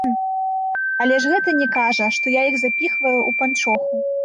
Але ж гэта не кажа, што я іх запіхваю ў панчоху.